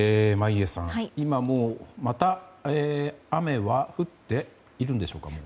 眞家さん、今もまた雨は降っているんでしょうか。